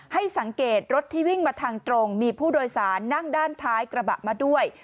ให้สังเกตรถที่วิ่งมาทางตรงมีผู้โดยสารนั่งด้านท้ายกระบะมาด้วย